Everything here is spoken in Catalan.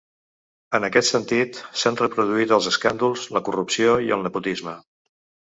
En aquest sentit, s’han reproduït els escàndols, la corrupció i el nepotisme.